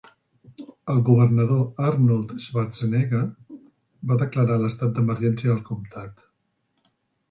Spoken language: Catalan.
El governador Arnold Schwarzenegger va declarar l'estat d'emergència del comtat.